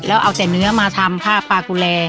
แล้วเอาแต่เนื้อมาทำผ้าปลากุแร